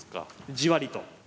じわりと。